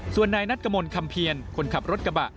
ส่วนนายนัดกระมวลคำเพียรคนขับรถกระบะ